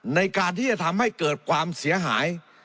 ในการที่จะทำให้เกิดความเสียหาย